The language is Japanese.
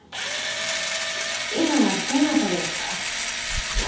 今どの辺りですか？